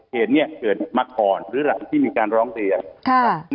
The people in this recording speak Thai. เหตุเนี้ยเกิดมาก่อนหรือหลังที่มีการร้องเรียน